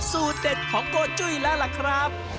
สูตรเด็ดของโกจุ้ยล่าแหละครับ